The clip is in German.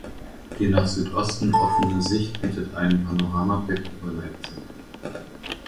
Die nach Südosten offene Sicht bietet einen Panoramablick über Leipzig.